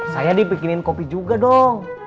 saya dipikinin kopi juga dong